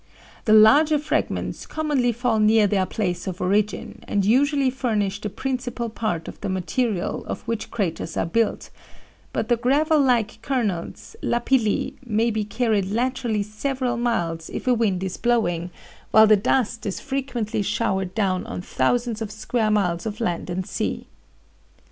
The larger fragments commonly fall near their place of origin, and usually furnish the principal part of the material of which craters are built, but the gravel like kernels, lapilli, may be carried laterally several miles if a wind is blowing, while the dust is frequently showered down on thousands of square miles of land and sea.